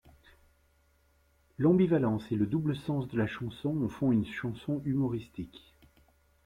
L'ambivalence et le double-sens de la chanson en font une chanson humoristique.